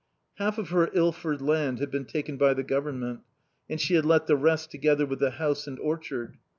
Half of her Ilford land had been taken by the government; and she had let the rest together with the house and orchard.